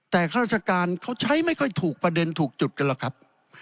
แต่คือราชการก็ใช้ไม่ค่อยถูกประเด็นถูกจุดแล้วครับ